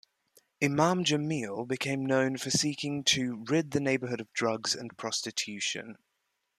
Imam Jamil became known for seeking to rid the neighborhood of drugs and prostitution.